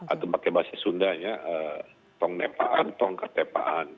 atau pakai bahasa sundanya tong nepaan tong ketepaan